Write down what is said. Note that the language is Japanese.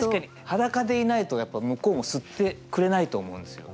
確かに裸でいないとやっぱ向こうも吸ってくれないと思うんですよ。